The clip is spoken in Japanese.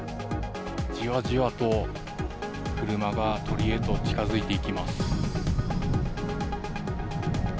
じわじわと、車が鳥へと近づいていきます。